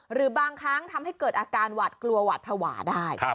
หรือบางครั้งทำให้เกิดอาการหวาดกลัวหวัดภาวะได้